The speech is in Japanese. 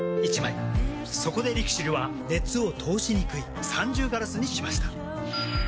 そこでＬＩＸＩＬは熱を通しにくい三重ガラスにしました。